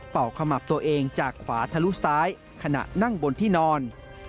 ขมับตัวเองจากขวาทะลุซ้ายขณะนั่งบนที่นอน